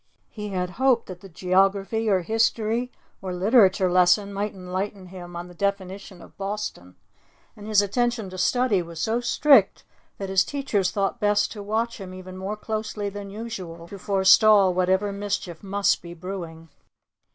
He had hoped that the geography or history or literature lesson might enlighten him on the definition of Boston, and his attention to study was so strict that his teachers thought best to watch him even more closely than usual, to forestall whatever mischief must be brewing.